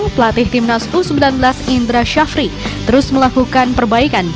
pelatih timnas u sembilan belas indra syafri terus melakukan perbaikan